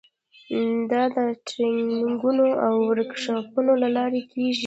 دا د ټریننګونو او ورکشاپونو له لارې کیږي.